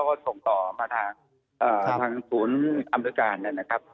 ก็ส่งต่อมาทางศูนย์อำนวยการนะครับ